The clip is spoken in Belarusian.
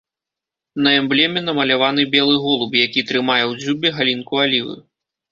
На эмблеме намаляваны белы голуб, які трымае ў дзюбе галінку алівы.